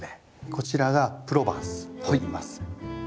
こちらがプロバンスといいます。